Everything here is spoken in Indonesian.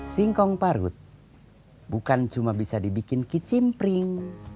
singkong parut bukan cuma bisa dibikin kicim pring